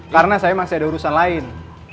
karena saya masih ada urusan lain